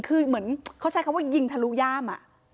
คือเหมือนเขาใช้คำว่ายิงทะลุย่าม